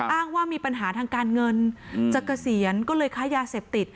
อ้างว่ามีปัญหาทางการเงินจะเกษียณก็เลยค้ายาเสพติด